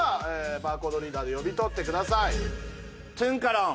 バーコードリーダーで読み取ってください。